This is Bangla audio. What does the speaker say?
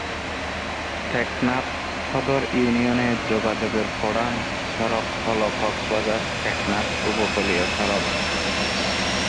টেকনাফ সদর ইউনিয়নে যোগাযোগের প্রধান সড়ক হল কক্সবাজার-টেকনাফ উপকূলীয় সড়ক।